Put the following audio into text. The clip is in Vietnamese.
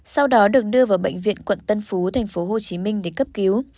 sau đó được đưa vào bệnh viện quận tân phú tp hcm để cấp cứu